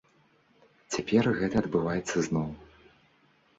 Цяпер гэта адбываецца зноў.